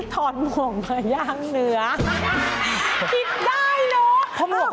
ทอนหม่วงมาเยื่องเนื้อ